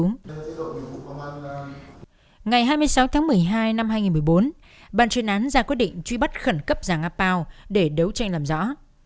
ngày hai mươi sáu tháng một mươi hai năm hai nghìn một mươi bốn bàn chuyên án ra quyết định truy bắt khẩn cấp giảng apao để đấu tranh làm rõ